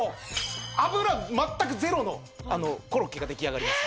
油まったくゼロのコロッケが出来上がります。